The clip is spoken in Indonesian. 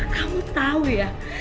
kamu tau ya